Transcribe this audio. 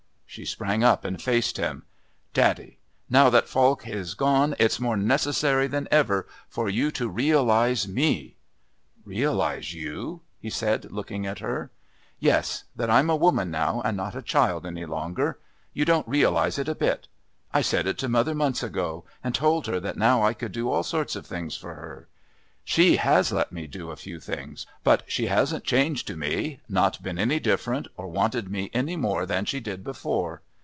She sprang up and faced him. "Daddy, now that Falk is gone, it's more necessary than ever for you to realise me." "Realise you?" he said, looking at her. "Yes, that I'm a woman now and not a child any longer. You don't realise it a bit. I said it to mother months ago, and told her that now I could do all sorts of things for her. She has let me do a few things, but she hasn't changed to me, not been any different, or wanted me any more than she did before.